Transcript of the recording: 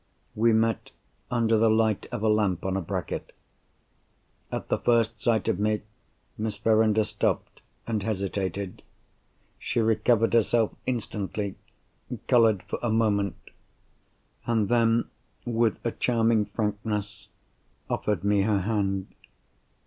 We met under the light of a lamp on a bracket. At the first sight of me, Miss Verinder stopped, and hesitated. She recovered herself instantly, coloured for a moment—and then, with a charming frankness, offered me her hand.